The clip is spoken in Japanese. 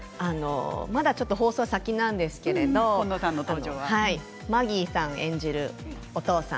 まだ放送は先なんですけれどマギーさん演じるお父さん